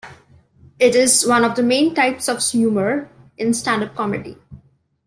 It is one of the main types of humor in stand-up comedy.